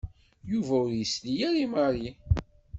Yuba ur yesli ara i Mary.